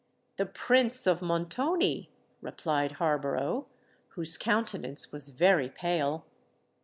"The Prince of Montoni," replied Harborough, whose countenance was very pale.